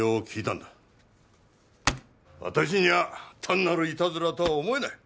私には単なるイタズラとは思えない。